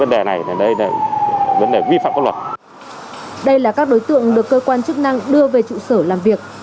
đây là các đối tượng được cơ quan chức năng đưa về trụ sở làm việc